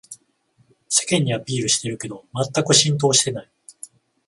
世間にアピールしてるけどまったく浸透してない